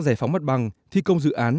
giải phóng mắt bằng thi công dự án